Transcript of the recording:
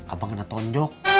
abang kena tonjok